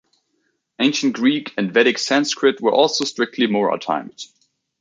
Ancient Greek and Vedic Sanskrit were also strictly mora-timed.